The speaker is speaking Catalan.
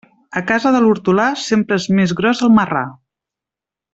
A casa de l'hortolà sempre és més gros el marrà.